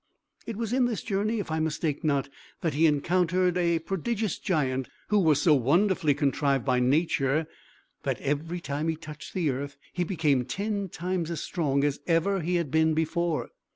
It was in this journey, if I mistake not, that he encountered a prodigious giant, who was so wonderfully contrived by nature that, every time he touched the earth, he became ten times as strong as ever he had been before.